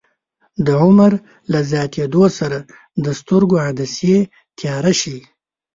د عمر له زیاتیدو سره د سترګو عدسیې تیاره شي.